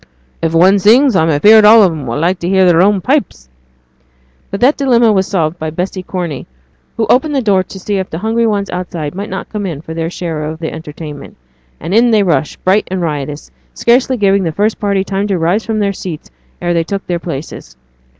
'If one sings I'm afeard all on 'em will like to hear their own pipes.' But their dilemma was solved by Bessy Corney, who opened the door to see if the hungry ones outside might not come in for their share of the entertainment; and in they rushed, bright and riotous, scarcely giving the first party time to rise from their seats ere they took their places.